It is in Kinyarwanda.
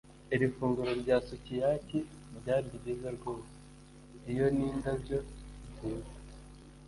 Iri funguro rya sukiyaki ryari ryiza rwose. Iyo ni indabyo nziza.